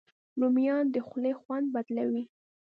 رومیان د خولې خوند بدلوي